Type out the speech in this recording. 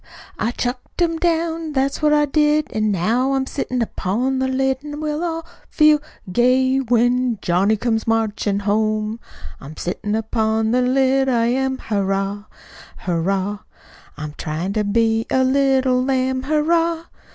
I chucked 'em down, that's what I did, An' now I'm sittin' upon the lid, An' we'll all feel gay when Johnny comes marchin' home. I'm sittin' upon the lid, I am, Hurrah! Hurrah! I'm tryin' to be a little lamb, Hurrah!